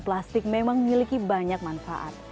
plastik memang memiliki banyak manfaat